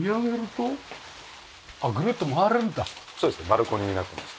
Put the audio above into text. バルコニーになってまして。